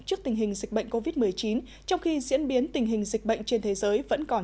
trước tình hình dịch bệnh covid một mươi chín trong khi diễn biến tình hình dịch bệnh trên thế giới vẫn còn